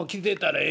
ええ？